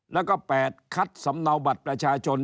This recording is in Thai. แล้วก็๘คัดสำเนาบัตรประชาชน